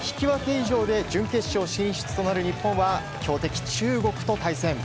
以上で準決勝進出となる日本は強敵・中国と対戦。